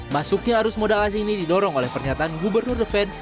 masuknya arus modal asing ini didorong oleh pernyataan gubernur the fed